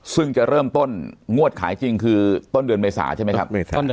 ซึ่งจะเริ่มต้นงวดขายจริงคือต้นเดือนเมษาใช่ไหมครับ